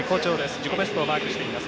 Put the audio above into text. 自己ベストをマークしています。